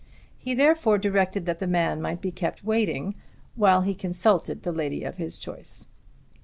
He therefore directed that the man might be kept waiting while he consulted the lady of his choice.